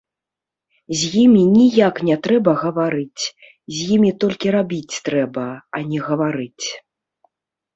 З імі ніяк не трэба гаварыць, з імі толькі рабіць трэба, а не гаварыць.